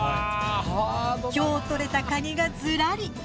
きょう獲れたカニがずらり。